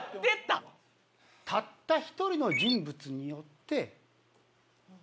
たった１人の人物によって。